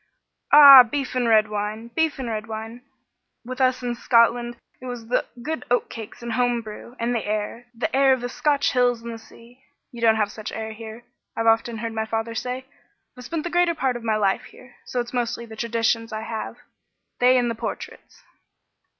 "Ah! Beef and red wine! Beef and red wine! With us in Scotland it was good oatcakes and home brew and the air. The air of the Scotch hills and the sea. You don't have such air here, I've often heard my father say. I've spent the greater part of my life here, so it's mostly the traditions I have they and the portraits."